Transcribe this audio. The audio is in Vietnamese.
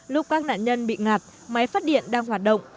lúc các nạn nhân bị ngặt máy phát điện đang hoạt động